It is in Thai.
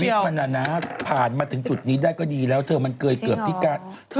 ชีวิตมันน้านะผ่านมาถึงจุดนี้ได้ก็ดีแล้วเธอมันเกิดเกือบที่กาจริงเหรอ